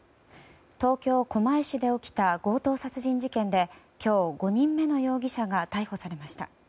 東京・狛江市で起きた強盗殺人事件で今日、５人目の容疑者が逮捕されました。